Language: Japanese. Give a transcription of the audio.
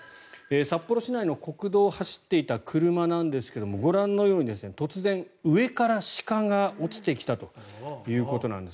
札幌市内の国道を走っていた車なんですがご覧のように突然、上から鹿が落ちてきたということなんです。